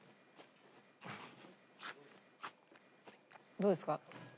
どうですか？